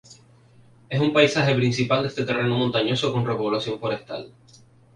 Es un paisaje principal de este terreno montañoso con repoblación forestal.